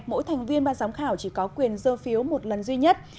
mỗi thành viên ban giám khảo chỉ có quyền dơ phiếu một lần duy nhất